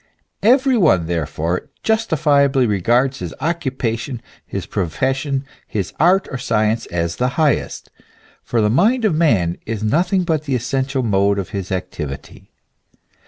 Every one, therefore, justifiably regards his occupation, his profession, his art or science, as the highest ; for the mind of man is nothing but the essential mode of his activity.